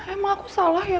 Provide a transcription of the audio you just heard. emang aku salah ya